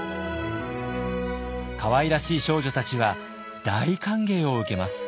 かわいらしい少女たちは大歓迎を受けます。